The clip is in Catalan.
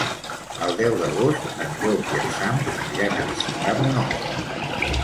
El deu d'agost en Llop i en Sam aniran a visitar mon oncle.